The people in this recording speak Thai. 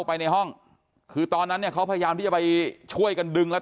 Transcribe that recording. ไปในห้องคือตอนนั้นเนี่ยเขาพยายามที่จะไปช่วยกันดึงแล้ว